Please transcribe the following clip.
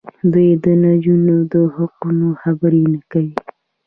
دوی د نجونو د حقونو خبرې نه کوي.